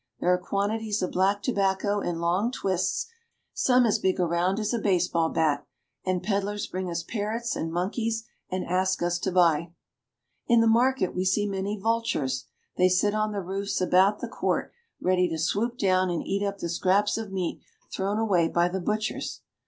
There are quantities of black tobacco „ in long twists, some as big "We see many vultures." °,,,,,, around as a baseball bat ; and peddlers bring us parrots and monkeys and ask us to buy. In the market we see many vultures. They sit on the roofs about the court, ready to swoop down and eat up the scraps of meat thrown away by the butchers.